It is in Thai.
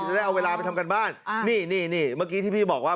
ได้เอาเวลาไปทำการบ้านนี่นี่เมื่อกี้ที่พี่บอกว่า